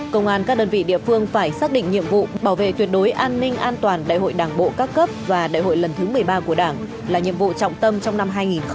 các đơn vị địa phương phải xác định nhiệm vụ bảo vệ tuyệt đối an ninh an toàn đại hội đảng bộ các cấp và đại hội lần thứ một mươi ba của đảng là nhiệm vụ trọng tâm trong năm hai nghìn hai mươi hai nghìn hai mươi một